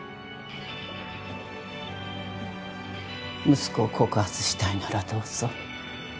息子を告発したいならどうぞ。